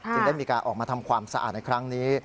ได้มีการออกมาทำความสะอาดในครั้งนี้